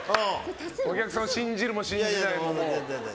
お客さん信じるも信じないも。